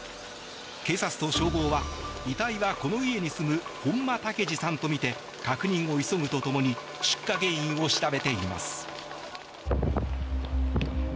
警察と消防は、遺体はこの家に住む本間武二さんとみて確認を急ぐとともに出火原因を調べています。